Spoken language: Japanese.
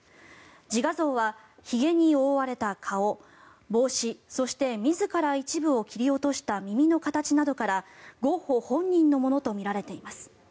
自画像はひげに覆われた顔、帽子そして自ら一部を切り落とした耳の形などからゴッホ本人のものとみられています。